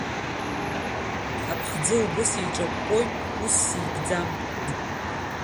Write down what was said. Аԥхӡы убас иҿыкәкәоит усс икӡам…